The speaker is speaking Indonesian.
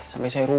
sampai saya rumuh